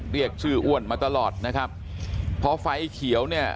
เรียกชื่ออ้วนมาตลอดนะครับพอไฟเขียวเนี่ย